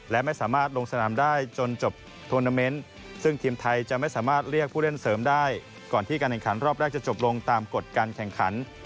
และไม่สามารถลงสนามได้จนจบทวนาเมนต์ซึ่งทีมไทยจะไม่สามารถเรียกผู้เล่นเสริมได้ก่อนที่การแข่งขันรอบแรกจะจบลงตามกฎการแข่งขัน